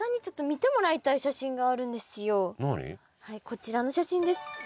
こちらの写真です。